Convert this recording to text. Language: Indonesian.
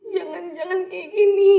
jangan jangan kayak gini